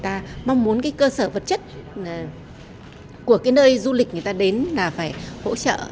ta mong muốn cái cơ sở vật chất của cái nơi du lịch người ta đến là phải hỗ trợ